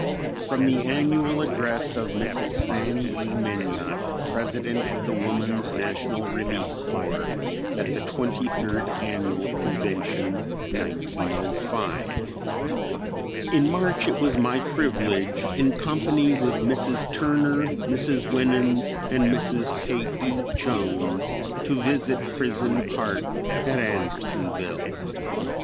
From the Annual Address of Mrs. Fanny E. Minot, President of the Woman's National Relief Corps, at the Twenty third Annual Convention, 1905: "In March it was my privilege, in company with Mrs. Turner, Mrs. Winans and Mrs. Kate E. Jones, to visit Prison Park at Andersonville.